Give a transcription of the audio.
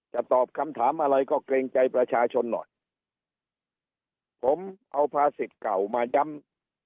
ตอบคำถามอะไรก็เกรงใจประชาชนหน่อยผมเอาภาษิตเก่ามาย้ำ